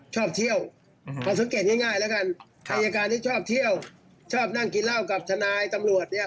ชอบเที่ยวเทอระการที่ชอบเที่ยวครับกลอดนั่งกินเหล้ากับธนายตำลวดนี่